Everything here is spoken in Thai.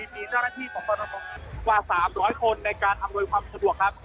มีช่างละที่ของกว่า๓๐๐คนในการอำนวยความสะดวกครับ